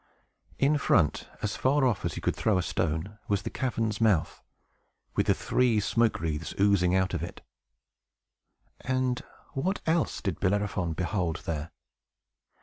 In front, as far off as you could throw a stone, was the cavern's mouth, with the three smoke wreaths oozing out of it. And what else did Bellerophon behold there?